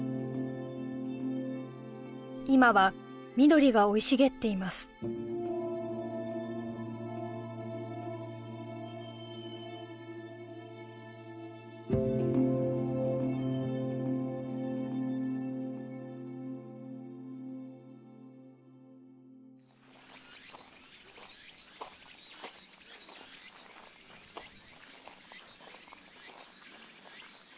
今は緑が生い茂っていますできん？